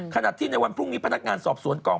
ขณะที่ในวันพรุ่งนี้พนักงานสอบสวนกอง